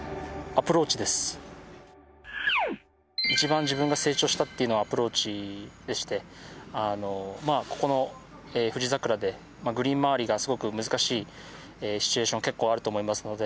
１番自分が成長したというのがアプローチでしてこの富士桜でグリーン周りがすごく難しいシチュエーションが結構あると思いますので